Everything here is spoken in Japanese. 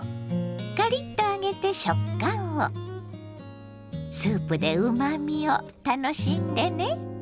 カリッと揚げて食感をスープでうまみを楽しんでね。